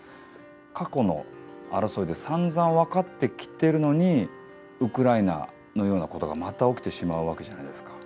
過去の争いでさんざん分かってきてるのに、ウクライナのようなことがまた起きてしまうわけじゃないですか。